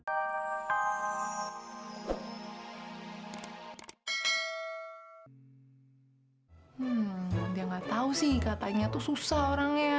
hmm dia gak tau sih katanya tuh susah orangnya